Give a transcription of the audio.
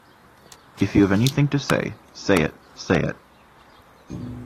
If you have anything to say, say it, say it.